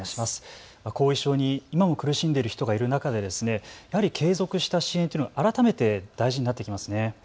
後遺症に今も苦しんでいる人がいる中でやはり継続した支援というのは改めて大事になってきますね。